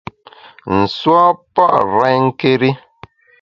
Nsu a pua’ renké́ri.